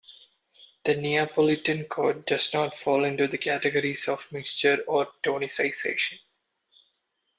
The Neapolitan chord does not fall into the categories of mixture or tonicization.